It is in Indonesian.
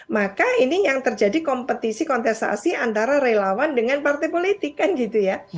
maka ini yang terjadi kompetisi kontestasi antara relawan dengan partai politik kan gitu ya